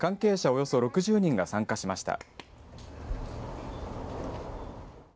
およそ６０人が参加しました。